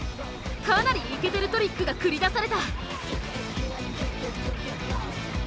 かなりイケてるトリックが繰り出された。